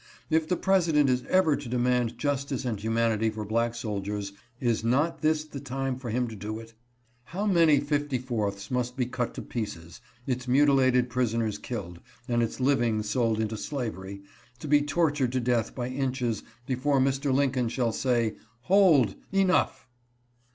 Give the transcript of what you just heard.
If the President is ever to demand justice and humanity for black soldiers, is not this the time for him to do it? How many 54ths must be cut to pieces, its mutilated prisoners killed, and its living sold into slavery, to be tortured to death by inches, before Mr. Lincoln shall say, 'Hold, enough!'